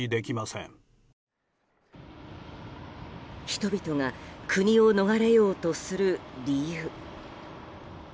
人々が国を逃れようとする理由。